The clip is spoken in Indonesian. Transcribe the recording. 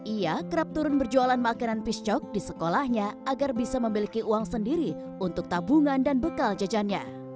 ia kerap turun berjualan makanan piscok di sekolahnya agar bisa memiliki uang sendiri untuk tabungan dan bekal jajannya